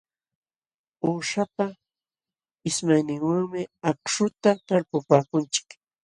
Uushapa ismayninwanmi akśhuta talpupaakunchik.